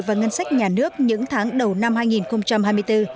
và ngân sách nhà nước những tháng đầu năm hai nghìn hai mươi bốn